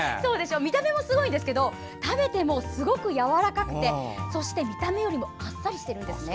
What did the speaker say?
見た目もすごいんですけど食べてもすごくやわらかくてそして見た目よりもあっさりしているんですね。